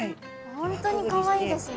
本当にかわいいですね。